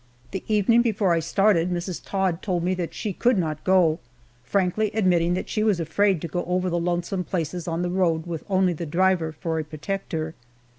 The evening before I started Mrs. Todd told me that she could not go, frankly admitting that she was afraid to go over the lonesome places on the road with only the driver for a protector.